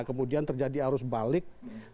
kemudian terjadi arus balik